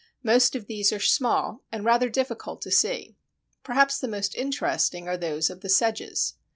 Most of these are small and rather difficult to see. Perhaps the most interesting are those of the Sedges.